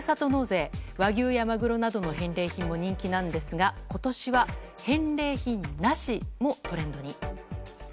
和牛やマグロなどの返礼品も人気ですが今年は、返礼品なしもトレンドに。